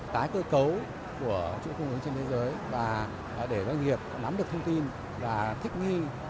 tái cơ cấu của chuỗi cung ứng trên thế giới và để doanh nghiệp nắm được thông tin